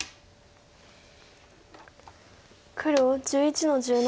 黒１１の十七。